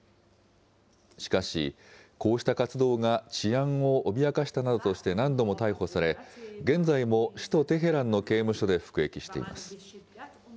しかし、こうした活動が治安を脅かしたなどとして何度も逮捕され、現在も首都テヘランの刑務所で服役しています。